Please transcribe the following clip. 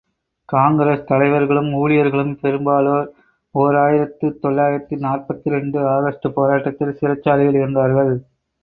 காங்கிரஸ் தலைவர்களும் ஊழியர்களும் பெரும்பாலோர் ஓர் ஆயிரத்து தொள்ளாயிரத்து நாற்பத்திரண்டு ஆகஸ்ட் போராட்டத்தில் சிறைச்சாலையில் இருந்தார்கள்.